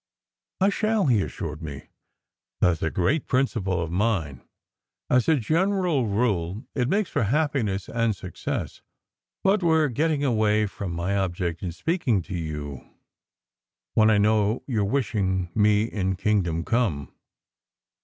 "I shall," he assured me; "that s a great principle of mine! As a general rule it makes for happiness and suc cess. But we re getting away from my object in speaking to you, when I know you re wishing me in kingdom come.